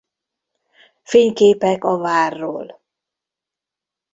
Fényképek a várról